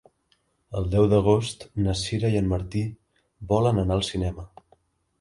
El deu d'agost na Sira i en Martí volen anar al cinema.